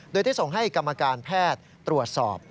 โดยที่ส่งให้กรรมการแพทย์ตรวจสอบ